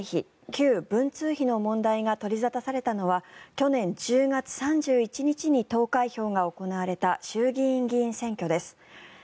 旧文通費の問題が取り沙汰されたのは去年１０月３１日に投開票が行われた衆議院議員選挙です。